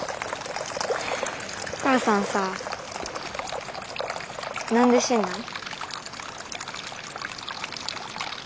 お母さんさ何で死んだん？